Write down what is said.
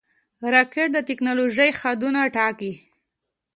راکټ د ټېکنالوژۍ حدونه ټاکي